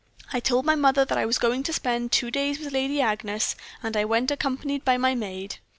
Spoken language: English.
I told my mother that I was going to spend two days with Lady Agnes, and I went accompanied by my maid.